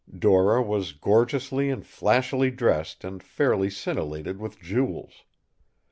Dora was gorgeously and flashily dressed and fairly scintillated with jewels.